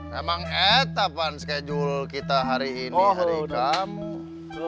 memang etapan schedule kita hari ini hari kamu